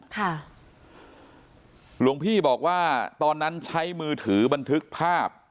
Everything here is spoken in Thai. หลวงพี่บอกว่าตอนนั้นใช้มือถือบันทึกภาพ